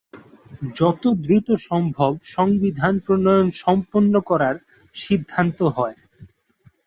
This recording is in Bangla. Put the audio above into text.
যতদ্রুত সম্ভব সংবিধান প্রণয়ন সম্পন্ন করার সিদ্ধান্ত হয়।